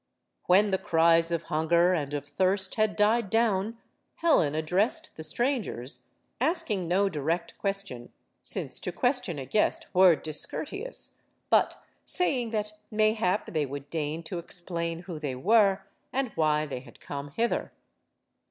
When the cries of hunger and of thirst had died down, Helen addressed the strangers, asking no direct question since to ques tion a guest were discourteous but saying that mayhap they would deign to explain who they were, and why they had come hither.